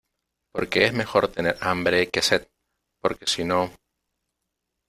porque es mejor tener hambre que sed, porque sino